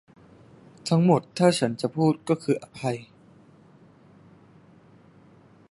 ทั้งหมดถ้าฉันจะพูดก็คืออภัย